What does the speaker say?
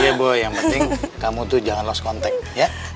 ya bu yang penting kamu tuh jangan lost contact ya